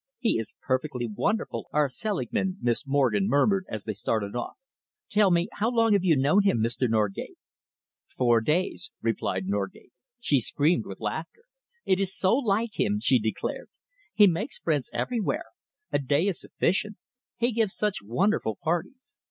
"He is perfectly wonderful, our Mr. Selingman," Miss Morgen murmured, as they started off. "Tell me how long you have known him, Mr. Norgate?" "Four days," Norgate replied. She screamed with laughter. "It is so like him," she declared. "He makes friends everywhere. A day is sufficient. He gives such wonderful parties.